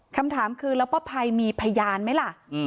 คำถามคือแล้วป้าภัยมีพยานไหมล่ะ